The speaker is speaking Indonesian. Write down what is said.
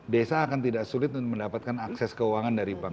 desa akan tidak sulit mendapatkan akses keuangan dari bank